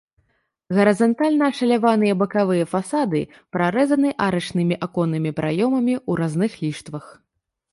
Гарызантальна ашаляваныя бакавыя фасады прарэзаны арачнымі аконнымі праёмамі ў разных ліштвах.